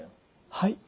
はい。